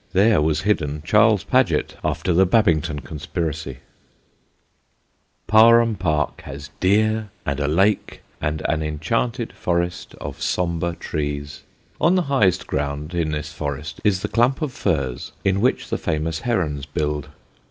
There was hidden Charles Paget after the Babington conspiracy. [Sidenote: THE PARHAM HERONS] Parham Park has deer and a lake and an enchanted forest of sombre trees. On the highest ground in this forest is the clump of firs in which the famous herons build.